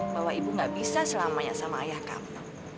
bahwa ibu gak bisa selamanya sama ayah kamu